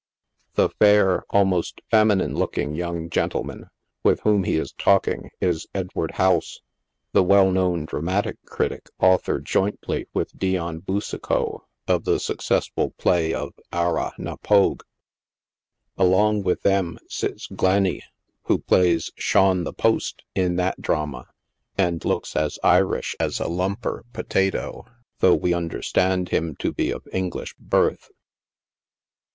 The fair, almost feminine looking young gen tleman, with whom he is talking, is Edward House, the well known dramatic critic, author, jointly with Dion Boucicauifc, of the success ful play of " Arrah na Pogue." Along with them sits Glenny, who plays Shaun the Post in that drama, and looks as Irish as a " lum per" potato, though we understand him to be of English birth.